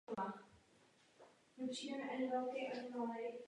Díky postupnému vývoji masových médií je možné tyto nerovnosti snižovat.